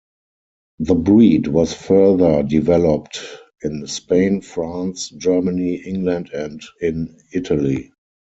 The breed was further developed in Spain, France, Germany, England, and in Italy.